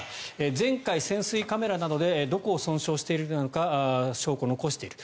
前回、潜水カメラなどでどこを損傷しているかなど証拠を残している。